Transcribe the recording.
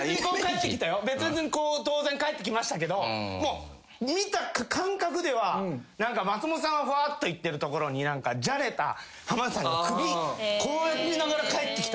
別々に当然帰ってきましたけどもう見た感覚では何か松本さんはふわーっと行ってるところに何かじゃれた浜田さんが首こうやりながら帰ってきたみたいな。